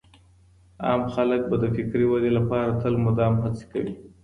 عام خلګ به د فکري ودې لپاره تل مدام هڅې کوي.